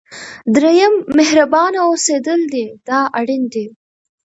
دریم مهربانه اوسېدل دی دا اړین دي.